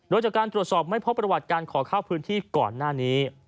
โดยจากการตรวจสอบไม่พบประวัติการขอเข้าพื้นที่ก่อนหน้านี้